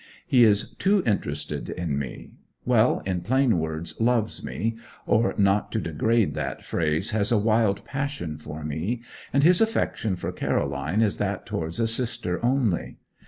He is too interested in me well, in plain words, loves me; or, not to degrade that phrase, has a wild passion for me; and his affection for Caroline is that towards a sister only.